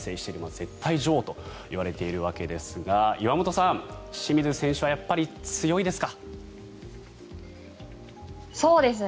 絶対女王といわれているわけですが岩本さん、清水選手はやっぱり強いですか。